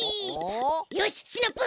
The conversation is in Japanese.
よしシナプー！